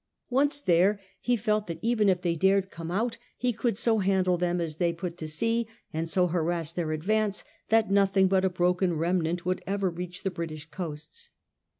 Once there he felt 142 SI^ FRANCIS DRAKE chap. that even if they dared come out he could so handle them as they put to sea, and so harass their advance, that nothing but a broken remnant would ever reach the British coasts.